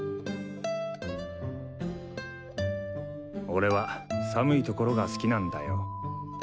俺は寒い所が好きなんだよ。